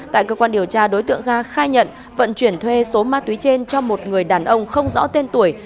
tại cơ quan điều tra đối tượng ga khai nhận vận chuyển thuê số ma túy trên cho một người đàn ông không rõ tên tuổi